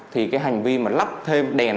thì cái hành vi mà lắp thêm đèn